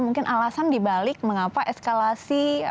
mungkin alasan dibalik mengapa eskalasi